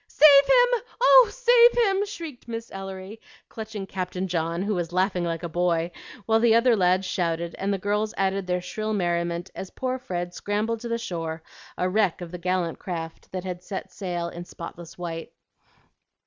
"Save him! oh, save him!" shrieked Miss Ellery, clutching Captain John, who was laughing like a boy, while the other lads shouted and the girls added their shrill merriment as poor Fred scrambled to the shore a wreck of the gallant craft that had set sail in spotless white.